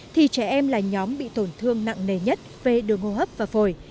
thì trẻ em là nhóm bị tổn thương nặng nề nhất về đường hô hấp và phổi